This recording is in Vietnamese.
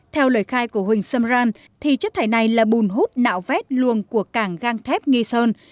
theo lời khai của huỳnh sâm ran thì chất thải này là bùn hút nạo vét luồng của cảng gang thép nghi sơn